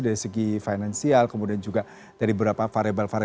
dari segi finansial kemudian juga dari beberapa variable variab